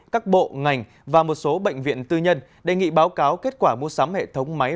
các bộ ngành và một số bệnh viện tư nhân đề nghị báo cáo kết quả mua sắm hệ thống máy